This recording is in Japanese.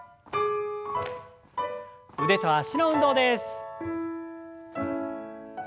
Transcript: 腕と脚の運動です。